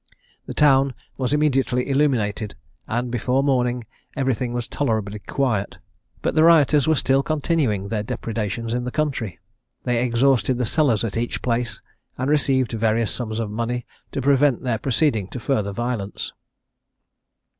The town was immediately illuminated, and before morning every thing was tolerably quiet; but the rioters were still continuing their depredations in the country. They exhausted the cellars at each place, and received various sums of money to prevent their proceeding to further violence.